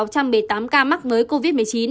ba sáu trăm bảy mươi tám ca mắc mới covid một mươi chín